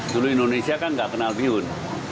dulu indonesia kan nggak kenal bihun